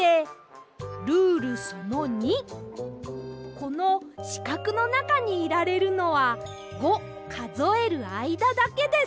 「このしかくのなかにいられるのは５かぞえるあいだだけです」。